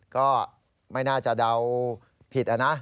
ก็ไม่น่าจะเดาผิดนะ